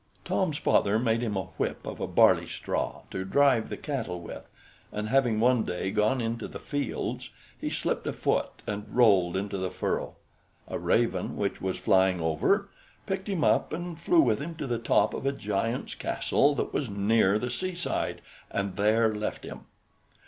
Tom's father made him a whip of a barley straw to drive the cattle with, and having one day gone into the fields, he slipped a foot and rolled into the furrow. A raven, which was flying over, picked him up, and flew with him to the top of a giant's castle that was near the sea side, and there left him.